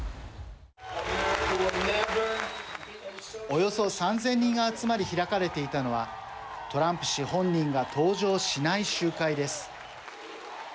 およそ３０００人が集まり開かれていたのはトランプ氏本人が登場しない集会です。